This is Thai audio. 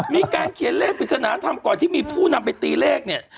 มีการเขียนเลขปริศนาธรรมก่อนที่มีผู้นำไปตีเลขเนี่ย